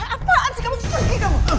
apaan sih kamu seperti kamu